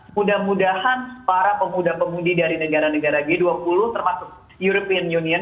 mudah mudahan para pemuda pemudi dari negara negara g dua puluh termasuk european union